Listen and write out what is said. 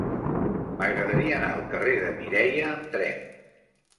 M'agradaria anar al carrer de Mireia amb tren.